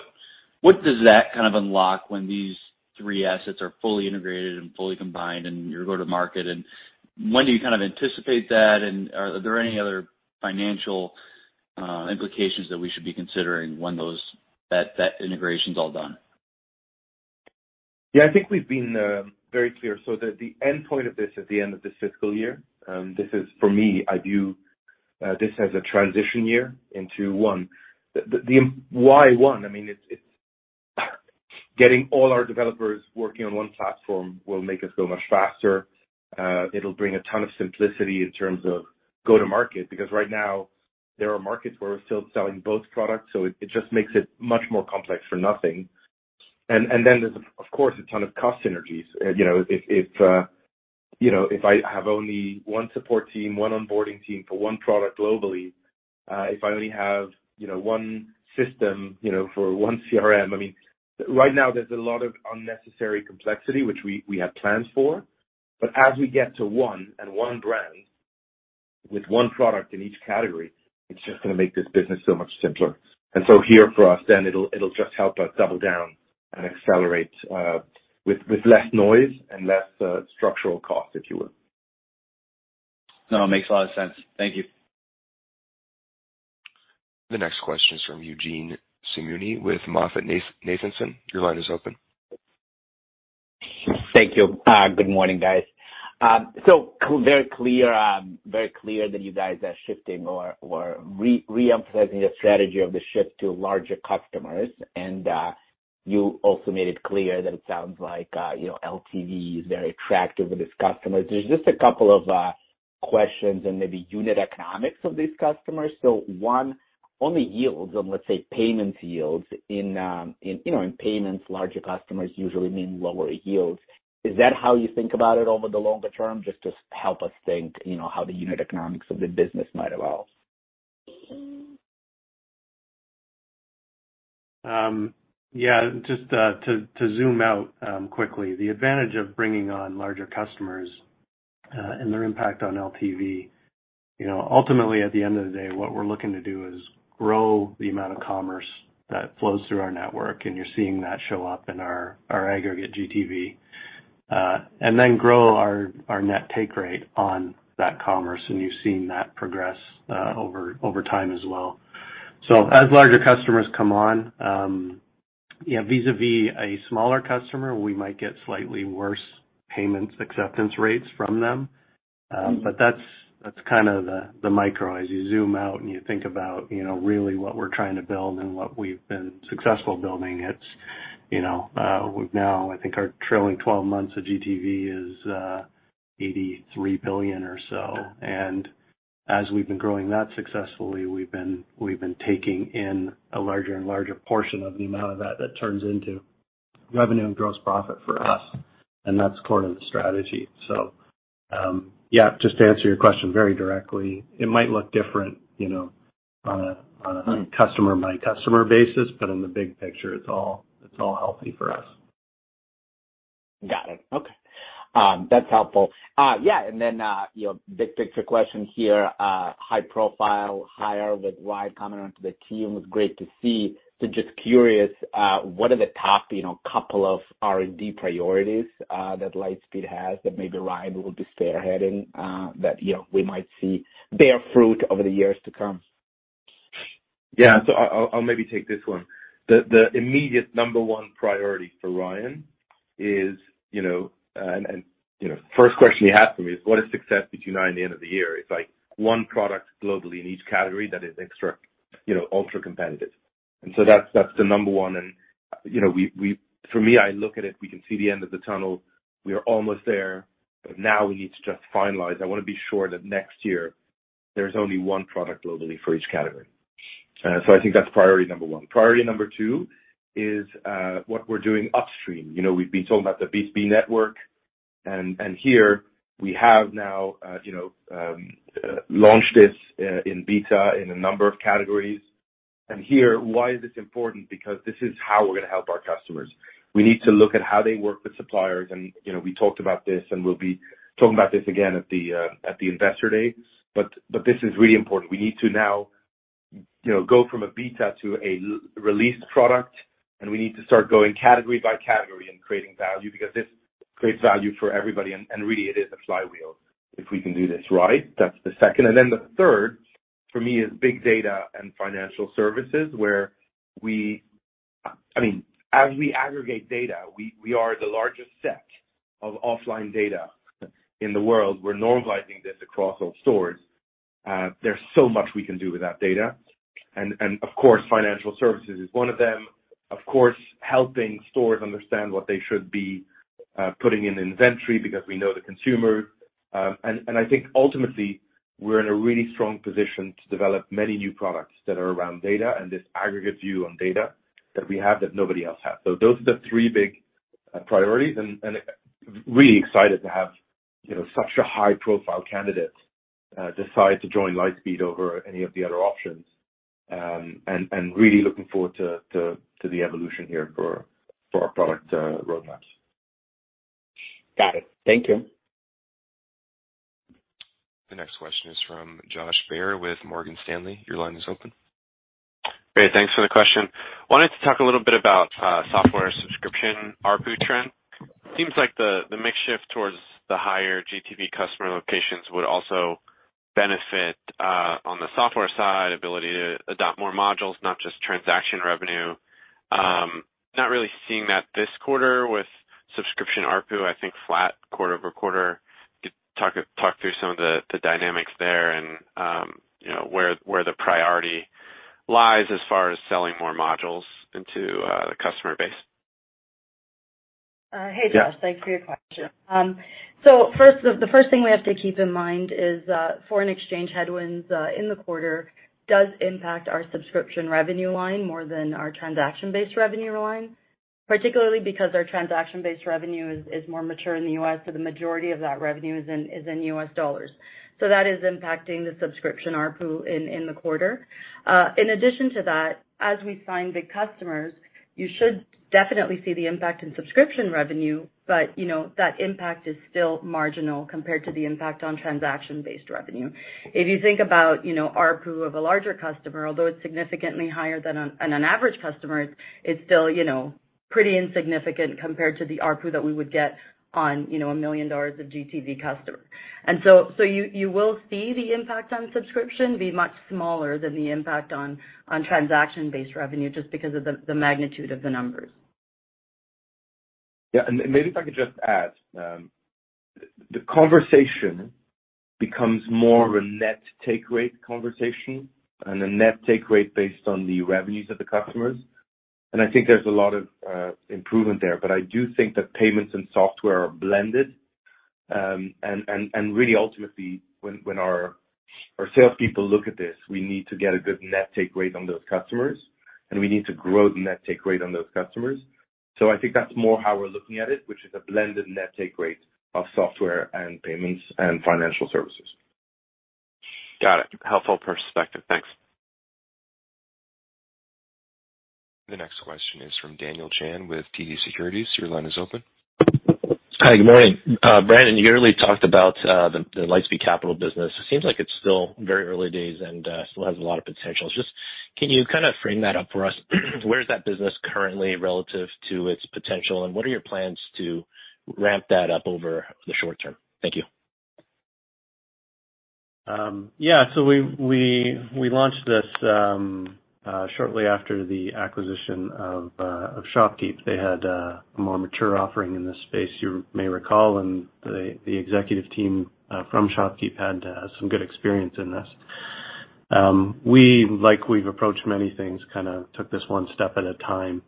that kind of unlocks when these three assets are fully integrated and fully combined in your go-to-market. When do you kind of anticipate that? Are there any other financial implications that we should be considering when that integration's all done. Yeah. I think we've been very clear, so the endpoint of this is the end of this fiscal year. This is for me, I view this as a transition year into one. Why one? I mean, it's getting all our developers working on one platform will make us go much faster. It'll bring a ton of simplicity in terms of go-to-market. Because right now there are markets where we're still selling both products, so it just makes it much more complex for nothing. And then there's, of course, a ton of cost synergies. You know, if I have only one support team, one onboarding team for one product globally, if I only have one system, you know, for one CRM. I mean, right now there's a lot of unnecessary complexity, which we have plans for. As we get to One Lightspeed with one product in each category, it's just gonna make this business so much simpler. Here for us then, it'll just help us double down and accelerate with less noise and less structural cost, if you will. No, it makes a lot of sense. Thank you. The next question is from Eugene Simuni with MoffettNathanson. Your line is open. Thank you. Good morning, guys. Very clear that you guys are shifting or re-emphasizing the strategy of the shift to larger customers. You also made it clear that it sounds like, you know, LTV is very attractive with its customers. There's just a couple of questions and maybe unit economics of these customers. One, on the yields on, let's say, payments yields in, you know, in payments, larger customers usually mean lower yields. Is that how you think about it over the longer term? Just to help us think, you know, how the unit economics of the business might evolve. Yeah, just to zoom out quickly. The advantage of bringing on larger customers and their impact on LTV. You know, ultimately, at the end of the day, what we're looking to do is grow the amount of commerce that flows through our network, and you're seeing that show up in our aggregate GTV. And then grow our net take rate on that commerce, and you've seen that progress over time as well. As larger customers come on, yeah, vis-a-vis a smaller customer, we might get slightly worse payments acceptance rates from them. That's kind of the micro. As you zoom out and you think about, you know, really what we're trying to build and what we've been successful building, it's, you know, now I think our trailing twelve months of GTV is $83 billion or so. As we've been growing that successfully, we've been taking in a larger and larger portion of the amount of that that turns into revenue and gross profit for us. That's core to the strategy. Yeah, just to answer your question very directly, it might look different, you know, on a customer-by-customer basis, but in the big picture, it's all healthy for us. Got it. Okay. That's helpful. Yeah, you know, big picture question here. High profile hire with Ryan coming onto the team. It's great to see. Just curious, what are the top, you know, couple of R&D priorities that Lightspeed has that maybe Ryan will be spearheading that, you know, we might see bear fruit over the years to come? I'll maybe take this one. The immediate number one priority for Ryan is, you know, and you know, first question he had for me is. What is success between now and the end of the year? It's like one product globally in each category that is extra, you know, ultra-competitive. That's the number one. You know, for me, I look at it, we can see the end of the tunnel. We are almost there. Now we need to just finalize. I wanna be sure that next year there's only one product globally for each category. I think that's priority number one. Priority number two is what we're doing upstream. You know, we've been talking about the B2B network, and here we have now launched this in beta in a number of categories. Here, why is this important? Because this is how we're gonna help our customers. We need to look at how they work with suppliers and, you know, we talked about this, and we'll be talking about this again at the investor day. This is really important. We need to now, you know, go from a beta to a released product, and we need to start going category by category and creating value because this creates value for everybody, and really it is a flywheel if we can do this right. That's the second. Then the third for me is big data and financial services, where we. I mean, as we aggregate data, we are the largest set of offline data in the world. We're normalizing this across all stores. There's so much we can do with that data. Of course, financial services is one of them. Of course, helping stores understand what they should be putting in inventory because we know the consumer. I think ultimately, we're in a really strong position to develop many new products that are around data and this aggregate view on data that we have that nobody else has. Those are the three big priorities, and really excited to have, you know, such a high-profile candidate decide to join Lightspeed over any of the other options. Really looking forward to the evolution here for our product roadmaps. Got it. Thank you. The next question is from Josh Baer with Morgan Stanley. Your line is open. Great. Thanks for the question. Wanted to talk a little bit about software subscription ARPU trend. Seems like the mix shift towards the higher GTV customer locations would also benefit on the software side, ability to adopt more modules, not just transaction revenue. Not really seeing that this quarter with subscription ARPU, I think flat quarter over quarter. Could you talk through some of the dynamics there and, you know, where the priority lies as far as selling more modules into the customer base? Hey, Josh. Yeah. Thanks for your question. First, the first thing we have to keep in mind is foreign exchange headwinds in the quarter does impact our subscription revenue line more than our transaction-based revenue line, particularly because our transaction-based revenue is more mature in the U.S., so the majority of that revenue is in U.S. dollars. That is impacting the subscription ARPU in the quarter. In addition to that, as we sign big customers, you should definitely see the impact in subscription revenue, but you know, that impact is still marginal compared to the impact on transaction-based revenue. If you think about, you know, ARPU of a larger customer, although it's significantly higher than on an average customer, it's still, you know, pretty insignificant compared to the ARPU that we would get on, you know, $1 million of GTV customer. You will see the impact on subscription be much smaller than the impact on transaction-based revenue just because of the magnitude of the numbers. Yeah. Maybe if I could just add, the conversation becomes more a net take rate conversation and a net take rate based on the revenues of the customers. I think there's a lot of improvement there, but I do think that payments and software are blended. And really ultimately, when our salespeople look at this, we need to get a good net take rate on those customers, and we need to grow the net take rate on those customers. I think that's more how we're looking at it, which is a blended net take rate of software and payments and financial services. Got it. Helpful perspective. Thanks. The next question is from Daniel Chan with TD Securities. Your line is open. Hi. Good morning. Brandon, you earlier talked about the Lightspeed Capital business. It seems like it's still very early days and still has a lot of potential. Just can you kind of frame that up for us? Where is that business currently relative to its potential, and what are your plans to ramp that up over the short term? Thank you. We launched this shortly after the acquisition of ShopKeep. They had a more mature offering in this space, you may recall, and the executive team from ShopKeep had some good experience in this. We, like we've approached many things, kind of took this one step at a time,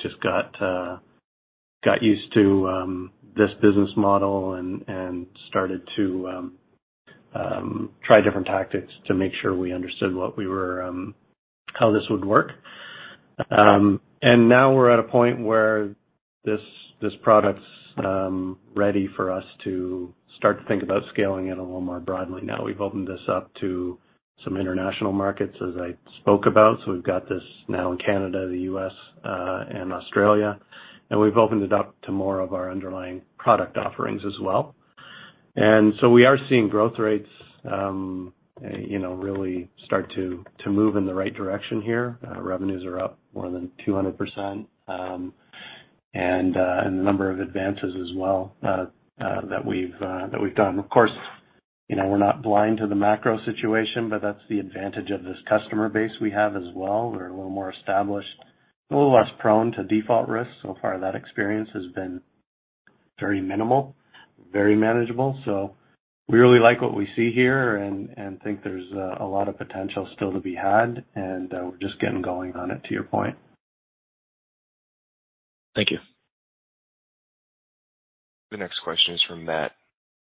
just got used to this business model and started to try different tactics to make sure we understood what we were, how this would work. Now we're at a point where this product's ready for us to start to think about scaling it a little more broadly. We've opened this up to some international markets, as I spoke about, so we've got this now in Canada, the U.S., and Australia. We've opened it up to more of our underlying product offerings as well. We are seeing growth rates, you know, really start to move in the right direction here. Revenues are up more than 200%, and the number of advances as well, that we've done. Of course, you know, we're not blind to the macro situation, but that's the advantage of this customer base we have as well. We're a little more established, a little less prone to default risk. So far, that experience has been very minimal, very manageable. We really like what we see here and think there's a lot of potential still to be had, and we're just getting going on it, to your point. Thank you. The next question is from Matt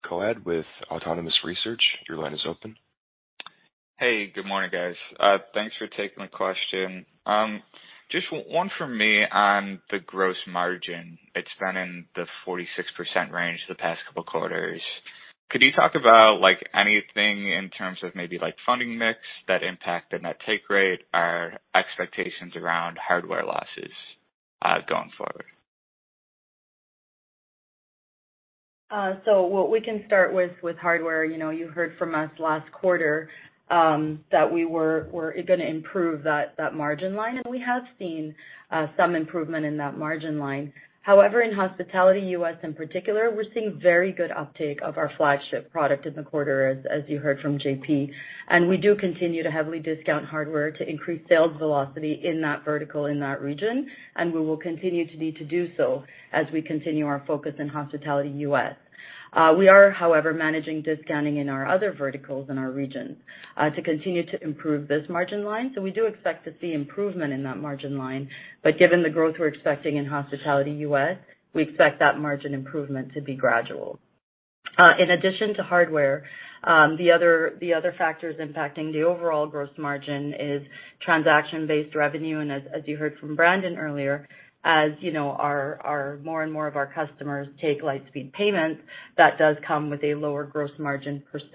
Coad with Autonomous Research. Your line is open. Hey, good morning, guys. Thanks for taking the question. Just one for me on the gross margin. It's been in the 46% range the past couple quarters. Could you talk about, like, anything in terms of maybe, like, funding mix that impact the net take rate or expectations around hardware losses, going forward? What we can start with hardware, you know, you heard from us last quarter, that we're gonna improve that margin line, and we have seen some improvement in that margin line. However, in hospitality U.S. in particular, we're seeing very good uptake of our flagship product in the quarter, as you heard from JP. We do continue to heavily discount hardware to increase sales velocity in that vertical in that region, and we will continue to need to do so as we continue our focus in hospitality U.S. We are, however, managing discounting in our other verticals in our region, to continue to improve this margin line. We do expect to see improvement in that margin line, but given the growth we're expecting in hospitality U.S., we expect that margin improvement to be gradual. In addition to hardware, the other factors impacting the overall gross margin is transaction-based revenue. As you heard from Brandon earlier, as you know, more and more of our customers take Lightspeed Payments, that does come with a lower gross margin %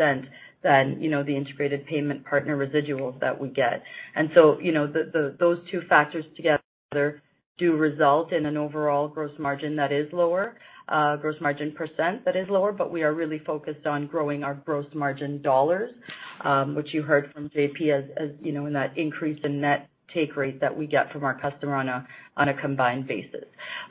than, you know, the integrated payment partner residuals that we get. You know, those two factors together do result in an overall gross margin that is lower, gross margin % that is lower, but we are really focused on growing our gross margin dollars, which you heard from JP, as you know, in that increase in net take rate that we get from our customer on a combined basis.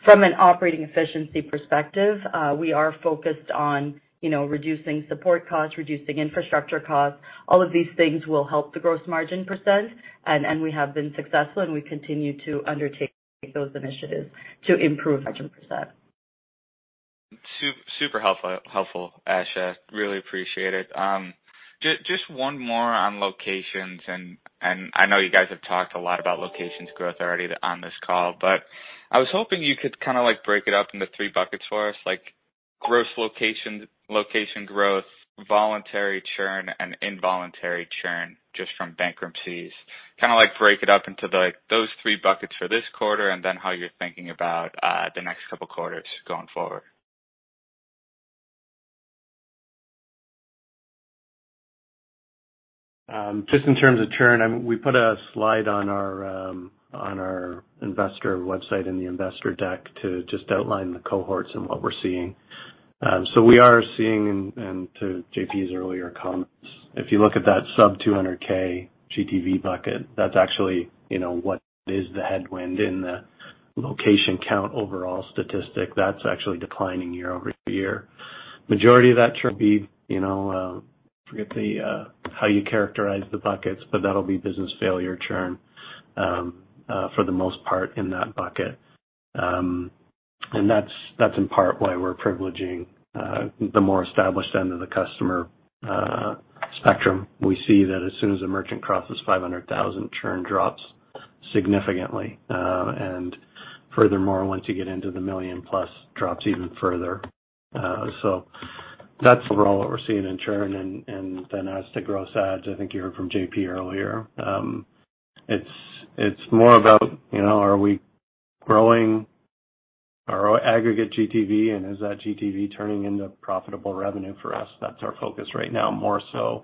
From an operating efficiency perspective, we are focused on, you know, reducing support costs, reducing infrastructure costs. All of these things will help the gross margin %, and we have been successful, and we continue to undertake those initiatives to improve margin %. Super helpful, Asha. Really appreciate it. Just one more on locations and I know you guys have talked a lot about locations growth already on this call, but I was hoping you could kind a like break it up into three buckets for us, like gross location growth, voluntary churn, and involuntary churn just from bankruptcies. Kind a like break it up into, like, those three buckets for this quarter, and then how you're thinking about the next couple quarters going forward. Just in terms of churn, we put a slide on our investor website in the investor deck to just outline the cohorts and what we're seeing. To JP's earlier comments, if you look at that sub-200K GTV bucket, that's actually, you know, what is the headwind in the location count overall statistic. That's actually declining year-over-year. Majority of that churn will be, you know, forget how you characterize the buckets, but that'll be business failure churn, for the most part in that bucket. That's in part why we're privileging the more established end of the customer spectrum. We see that as soon as a merchant crosses 500,000, churn drops significantly, and furthermore, once you get into the 1 million plus, drops even further. That's overall, what we're seeing in churn. As to gross adds, I think you heard from JP earlier. It's more about, you know, are we growing our aggregate GTV and is that GTV turning into profitable revenue for us? That's our focus right now, more so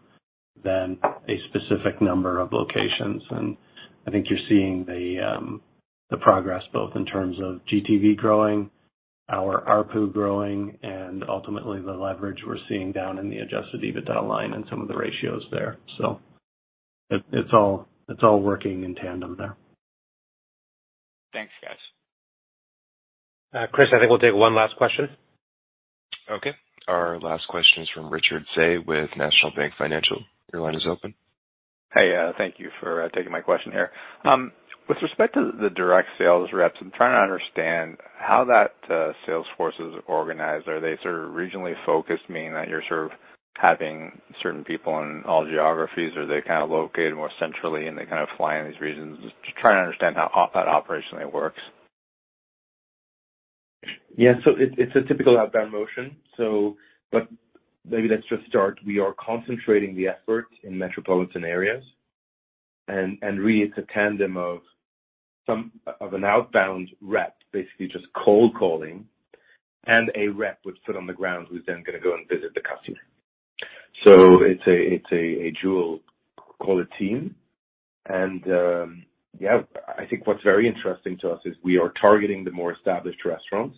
than a specific number of locations. I think you're seeing the progress both in terms of GTV growing, our ARPU growing, and ultimately the leverage we're seeing down in the adjusted EBITDA line and some of the ratios there. It's all working in tandem there. Thanks, guys. Chris, I think we'll take one last question. Okay. Our last question is from Richard Tse with National Bank Financial. Your line is open. Hey, thank you for taking my question here. With respect to the direct sales reps, I'm trying to understand how that sales force is organized. Are they sort of regionally focused, meaning that you're sort of having certain people in all geographies? Are they kind of located more centrally, and they kind of fly in these regions? Just trying to understand how that operationally works. It's a typical outbound motion. Maybe let's just start. We are concentrating the effort in metropolitan areas and really, it's a tandem of an outbound rep basically just cold calling and a rep with foot on the ground who's then gonna go and visit the customer. It's a dual call team. Yeah, I think what's very interesting to us is we are targeting the more established restaurants.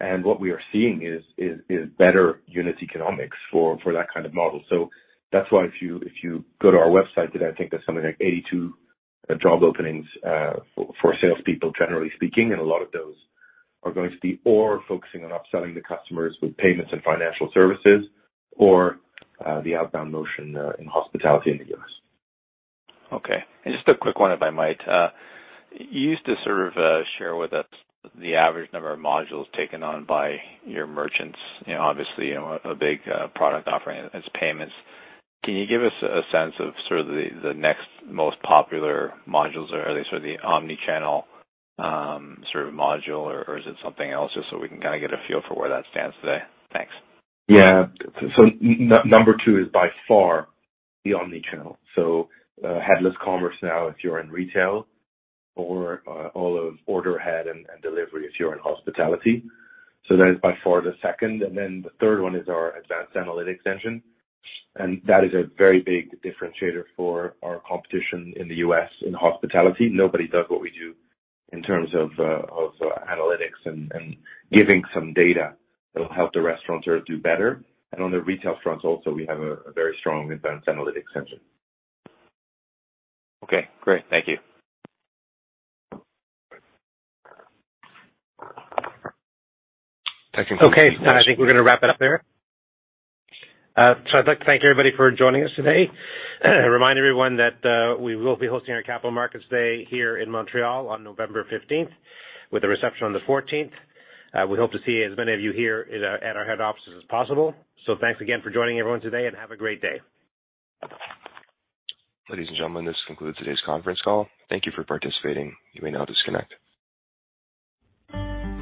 What we are seeing is better unit economics for that kind of model. That's why if you go to our website today, I think there's something like 82 job openings for salespeople, generally speaking, and a lot of those are focusing on upselling the customers with payments and financial services or the outbound motion in hospitality in the U.S. Okay. Just a quick one, if I might. You used to sort of share with us the average number of modules taken on by your merchants. You know, obviously, you know, a big product offering is payments. Can you give us a sense of sort of the next most popular modules? Are they sort of the omni-channel sort of module or is it something else? Just so we can kind a get a feel for where that stands today. Thanks. Number two is by far the omnichannel. Headless commerce now if you're in retail or all of order ahead and delivery if you're in hospitality. That is by far the second. Then the third one is our advanced analytics engine, and that is a very big differentiator for our competition in the U.S. in hospitality. Nobody does what we do in terms of of analytics and giving some data that'll help the restaurants sort of do better. On the retail front also we have a very strong advanced analytics engine. Okay, great. Thank you. Technical- Okay. I think we're gonna wrap it up there. So, I'd like to thank everybody for joining us today. Remind everyone that we will be hosting our Capital Markets Day here in Montreal on November 15, with a reception on the 14. We hope to see as many of you here at our head offices as possible. Thanks again for joining everyone today and have a great day. Ladies and gentlemen, this concludes today's conference call. Thank you for participating. You may now disconnect.